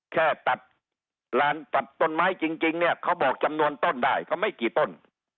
แค่ตัดลานตัดต้นไม้จริงเนี่ยเขาบอกจำนวนต้นได้ก็ไม่กี่ต้น